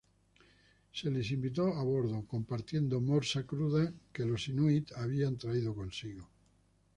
Se los invitó a bordo, compartiendo morsa cruda que los inuit habían traído consigo.